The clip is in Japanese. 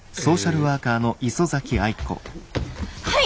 はい！